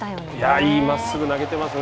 いいまっすぐを投げてますね